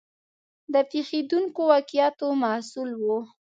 د پېښېدونکو واقعاتو محصول و.